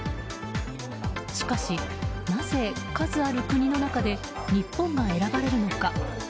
しかし、なぜ数ある国の中で日本が選ばれるのか。